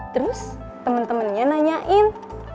terus temen temennya nanyain